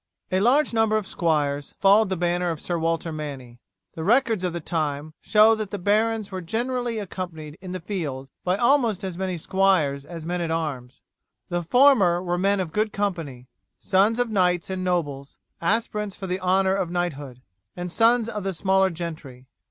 A large number of squires followed the banner of Sir Walter Manny. The records of the time show that the barons were generally accompanied in the field by almost as many squires as men at arms. The former were men of good family, sons of knights and nobles, aspirants for the honour of knighthood, and sons of the smaller gentry.